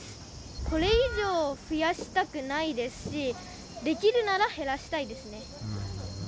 これ以上増やしたくないですし、できるなら減らしたいですね。